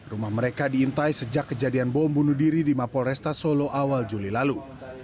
rumah mereka diintai sejak kejadian bom bunuh diri di mapol resta solo awal juli lalu